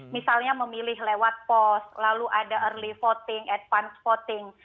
misalnya memilih lewat pos lalu ada early voting advance voting